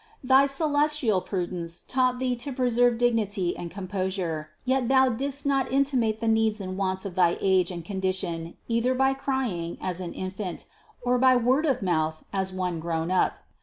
Thy celestial prudence taught Thee to preserve dignity and composure, yet Thou didst not intimate the wants and needs of thy age and condition either by crying, as an infant, or by word of mouth, as one grown up.